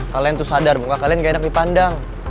kalian tuh sadar muka kalian gak enak dipandang